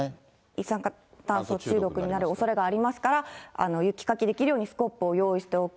一酸化炭素中毒になるおそれがありますから、雪かきできるようにスコップを用意しておく。